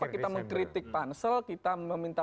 kita mengkritik pansel kita meminta